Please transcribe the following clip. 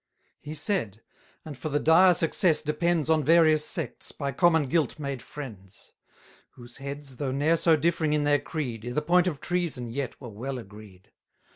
He said, and for the dire success depends On various sects, by common guilt made friends. Whose heads, though ne'er so differing in their creed, I' th' point of treason yet were well agreed.